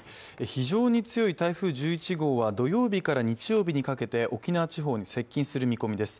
非常に強い台風１１号は、土曜日から日曜日にかけて沖縄地方に接近する見込みです。